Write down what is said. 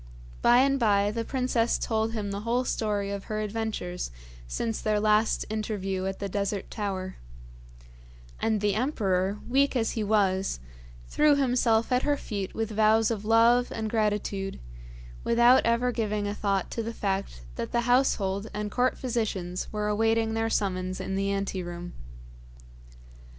By and by the princess told him the whole story of her adventures since their last interview at the Desert Tower; and the emperor, weak as he was, threw himself at her feet with vows of love and gratitude, without ever giving a thought to the fact that the household and court physicians were awaiting their summons in the ante room.